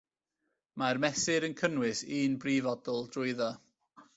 Mae'r mesur yn cynnwys un brifodl drwyddo.